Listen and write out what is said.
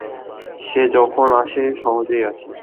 সে যখন আসে সহজেই আসে।